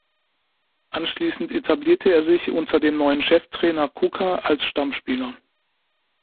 Anschließend etablierte er sich unter dem neuen Cheftrainer Cuca als Stammspieler.